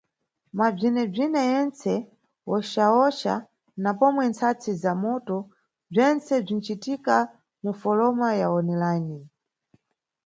Mabzwinebzwine yentse, wochawocha na pomwe ntsatsi za moto bzwentse bzwincitika mufoloma ya online.